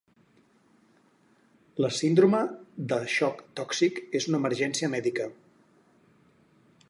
La síndrome de xoc tòxic és una emergència mèdica.